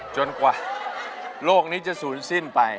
จนกว่าโลกนี้จะศูนย์สิ้นไป